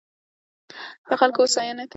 د خلکو هوساینې ته باید پوره غور وشي.